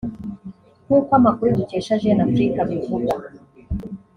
nk’uko amakuru dukesha Jeune Afrique abivuga